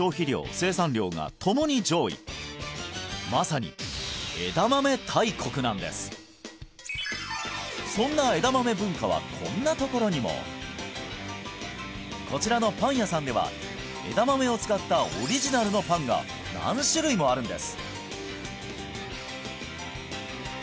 生産量が共に上位まさに枝豆大国なんですそんな枝豆文化はこんなところにもこちらのパン屋さんでは枝豆を使ったオリジナルのパンが何種類もあるんです